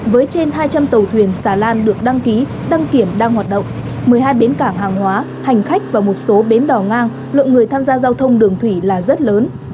với trên hai trăm linh tàu thuyền xà lan được đăng ký đăng kiểm đang hoạt động một mươi hai bến cảng hàng hóa hành khách và một số bến đỏ ngang lượng người tham gia giao thông đường thủy là rất lớn